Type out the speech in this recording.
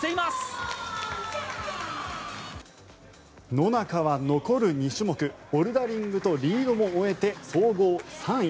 野中は残る２種目ボルダリングとリードも終えて総合３位。